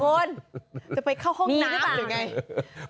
จะไปเข้าห้องน้ำหรือไง